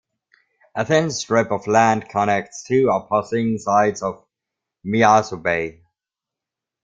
A thin strip of land connects two opposing sides of Miyazu Bay.